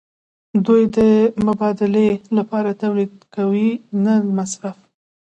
دوی د مبادلې لپاره تولید کوي نه د مصرف.